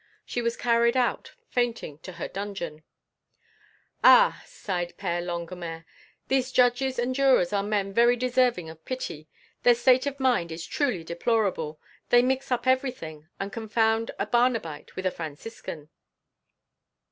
She was carried out fainting to her dungeon. "Ah!" sighed the Père Longuemare, "these judges and jurors are men very deserving of pity; their state of mind is truly deplorable. They mix up everything and confound a Barnabite with a Franciscan."